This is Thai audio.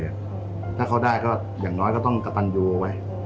ถ้าเขาได้ก็อย่างน้อยก็ต้องกระตันยูเอาไว้